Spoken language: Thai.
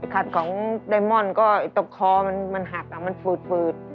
ขัดของไดมอนด์ก็ตกคอมันหักมันฝืด